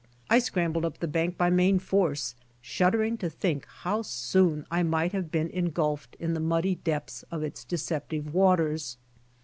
I scrambled up the bank by main force, shud dering to think how soon I might have been engulfed in the muddy depths of its deceptive waters.